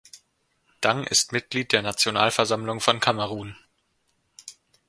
Dang ist Mitglied der Nationalversammlung von Kamerun.